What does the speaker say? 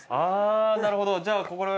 あなるほどじゃあ。